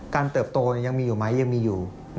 เติบโตยังมีอยู่ไหมยังมีอยู่